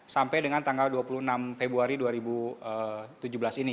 sampai dengan tanggal dua puluh enam februari dua ribu tujuh belas ini